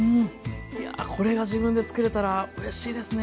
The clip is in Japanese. いやぁこれが自分で作れたらうれしいですね。